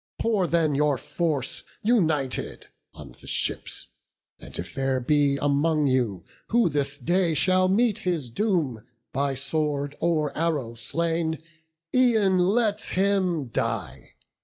Pour then your force united on the ships; And if there be among you, who this day Shall meet his doom, by sword or arrow slain, E'en let him die!